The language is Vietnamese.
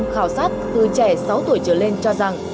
năm mươi sáu khảo sát từ trẻ sáu tuổi trở lên cho rằng